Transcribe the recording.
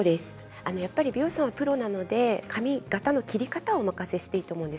美容師さんはプロなので髪形の切り方をお任せしていいと思います。